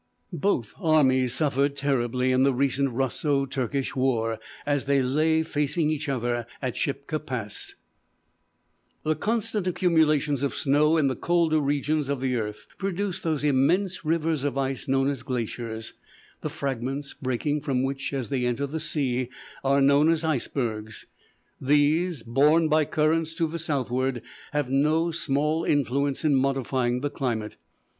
Both armies suffered terribly in the recent Russo Turkish war, as they lay facing each other at Shipka Pass. The constant accumulations of snow in the colder regions of the earth produce those immense rivers of ice known as glaciers, the fragments breaking from which as they enter the sea are known as icebergs. These, borne by currents to the southward, have no small influence in modifying the climate.